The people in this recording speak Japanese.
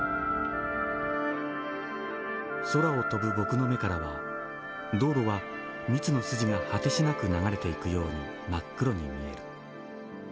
「空を飛ぶ僕の目からは道路はミツの筋が果てしなく流れていくように真っ黒に見える。